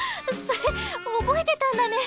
それ覚えてたんだね